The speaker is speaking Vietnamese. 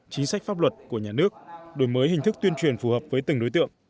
chính sách pháp luật của nhà nước đổi mới hình thức tuyên truyền phù hợp với từng đối tượng